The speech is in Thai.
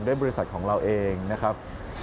บริษัทของเราเองนะครับ